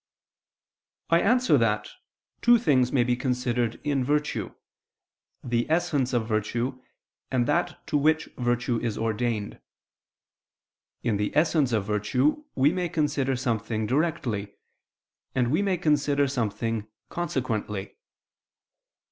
I answer that, Two things may be considered in virtue the essence of virtue, and that to which virtue is ordained. In the essence of virtue we may consider something directly, and we may consider something consequently.